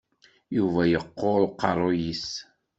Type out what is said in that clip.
Yuba yeqqur uqerru-is.